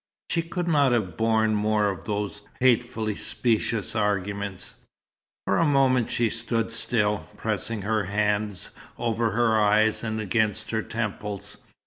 She could not have borne more of those hatefully specious arguments. For a moment she stood still, pressing her hands over her eyes, and against her temples.